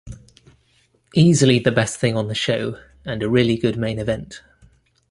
Easily the best thing on the show and a really good main event.